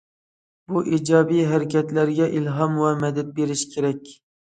بۇ ئىجابىي ھەرىكەتلەرگە ئىلھام ۋە مەدەت بېرىش كېرەك.